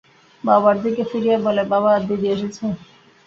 বাবার দিকে ফিরিয়া বলে, বাবা, দিদি এসেছে?